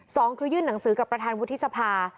สองคือยื่นหนังสือกับประธานวุฒิสภา